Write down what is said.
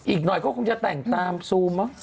อีกหน่อยก็คงจะแต่งตามซูมมั้ง